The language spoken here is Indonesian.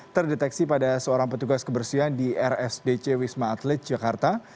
terdeteksi pada seorang petugas kebersihan di rsdc wisma atlet jakarta